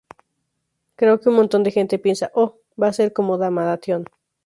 Creo que un montón de gente piensa, 'Oh, va a ser como "Damnation".